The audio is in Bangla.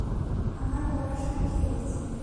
আমার গলা শুকিয়ে গেছে।